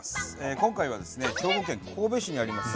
今回はですね兵庫県神戸市にあります